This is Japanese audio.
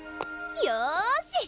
よし！